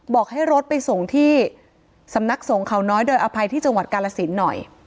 บอกให้รถไปส่งที่สำนักสงฆ์เขาน้อยโดยอภัยที่จังหวัดกาลสินหน่อย